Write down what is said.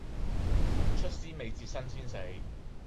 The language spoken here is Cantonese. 出師未捷身先死